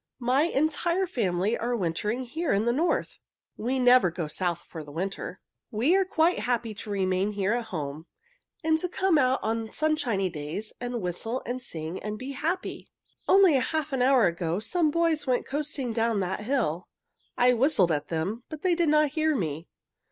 My entire family are wintering here in the North. We never go South for the winter. "We are quite happy to remain here at home, and to come out on sunshiny days and whistle and sing and be happy. "Only half an hour ago some boys went coasting down that hill. I whistled at them but they did not hear me.